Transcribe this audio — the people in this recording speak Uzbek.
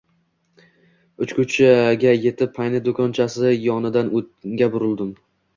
Uchko‘chaga yetib, “Paynet” do‘konchasi yonidan o‘ngga burildim